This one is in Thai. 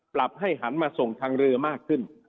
ปรับให้หันมาส่งทางเรือมากขึ้น